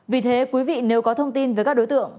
vì thế quý vị nếu có thông tin về các đối tượng